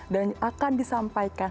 dan akan disampaikan